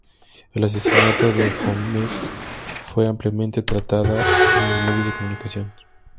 El asesinato de Ahmet fue ampliamente tratada en los medios de comunicación.